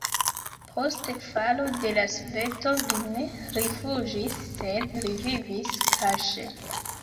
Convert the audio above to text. Post falo de la Soveto li ne rifuĝis, sed li vivis kaŝe.